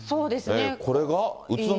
これが宇都宮？